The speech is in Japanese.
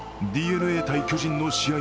ＤｅＮＡ×巨人の試合